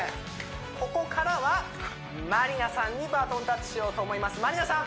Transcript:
ここからはまりなさんにバトンタッチしようと思いますまりなさん